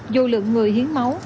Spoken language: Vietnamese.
dù lượng người hiến máu